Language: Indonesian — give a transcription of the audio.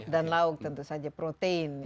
dan lauk tentu saja protein